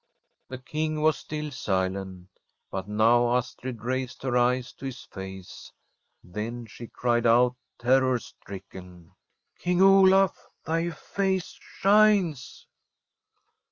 The King was still silent, but now Astrid raised her eyes to his face ; then she cried out, terror stricken :' King Olaf, thy face shines.'